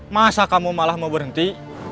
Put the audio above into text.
masa kamu malah mau berhenti